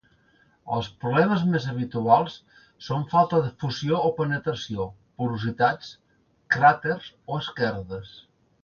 Els problemes més habituals són falta de fusió o penetració, porositats, cràters o esquerdes.